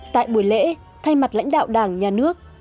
tại buổi lễ thay mặt lãnh đạo đảng nhà nước